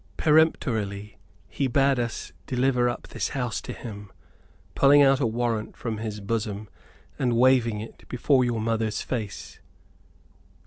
Peremptorily be bade us deliver up this house to him, pulling out a warrant from his bosom and waving it before your mother's face."